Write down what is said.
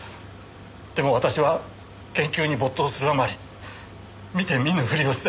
でも私は研究に没頭するあまり見て見ぬふりをして。